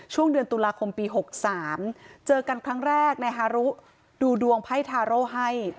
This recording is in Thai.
ช่วงเดือนตุลาคมปี๖๓เจอกันครั้งแรกในฮารุดูดวงไพ่ทาโร่ให้